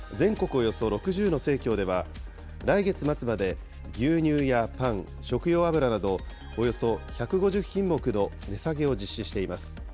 およそ６０の生協では、来月末まで牛乳やパン、食用油などおよそ１５０品目の値下げを実施しています。